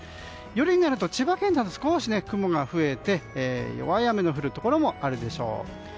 夜になると千葉県が少し雲が増えて弱い雨の降るところもあるでしょう。